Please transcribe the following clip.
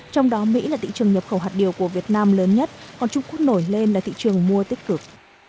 trong đó mỹ là thị trường nhập khẩu hạt điều của việt nam lớn nhất còn trung quốc nổi lên là thị trường mua tích cực